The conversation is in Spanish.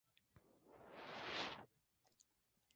George Martin tocó el piano honky tonk de estilo western.